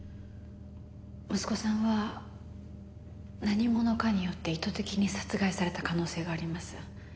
息子さんは何者かによって意図的に殺害された可能性があります。